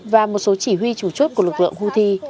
và một số chỉ huy chủ chốt của lực lượng houthi